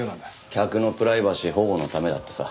客のプライバシー保護のためだってさ。